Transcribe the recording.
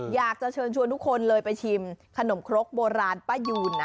อยากจะเชิญชวนทุกคนเลยไปชิมขนมครกโบราณป้ายูนนะ